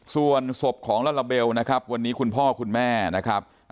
ส่วนศพของลาลาเบลนะครับวันนี้คุณพ่อคุณแม่นะครับ